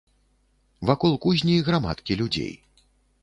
Вакол кузні грамадкі людзей.